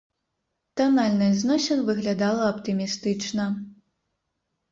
Танальнасць зносін выглядала аптымістычна.